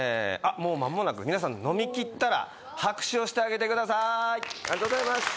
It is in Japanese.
もう間もなく皆さん飲みきったら拍手をしてあげてくださいありがとうございます